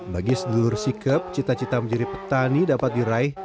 bagi sedulur sikep cita cita menjadi petani dapat diraih